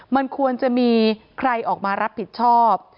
มันควรจะมีใครออกมารับผิดชอบ